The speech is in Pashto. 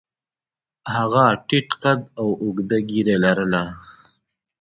هغه ټیټ قد او اوږده ږیره لرله.